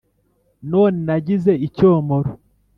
none nagize icyomoro